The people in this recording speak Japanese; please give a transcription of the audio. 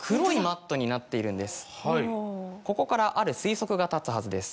ここからある推測が立つはずです。